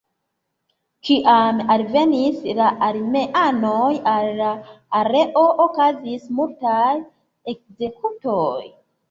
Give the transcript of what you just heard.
Kiam alvenis la armeanoj al la areo okazis multaj ekzekutoj.